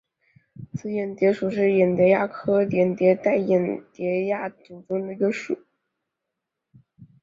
紫眼蝶属是眼蝶亚科眼蝶族黛眼蝶亚族中的一个属。